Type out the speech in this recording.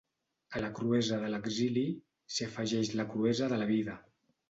A la cruesa de l’exili, s’hi afegeix la cruesa de la vida.